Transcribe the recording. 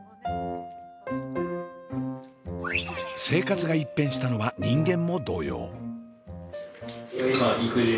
生活が一変したのは人間も同様。